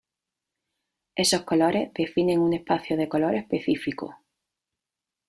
Esos colores definen un espacio de color específico.